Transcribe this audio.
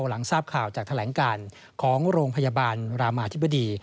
หลังทราบข่าวจากแถลงการของโรงพยาบาลรามาธิบดี